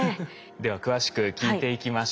では詳しく聞いていきましょう。